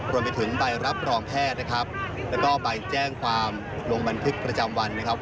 รวมไปถึงใบรับรองแพทย์นะครับแล้วก็ใบแจ้งความลงบันทึกประจำวันนะครับ